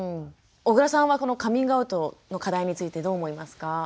緒倉さんはこのカミングアウトの課題についてどう思いますか？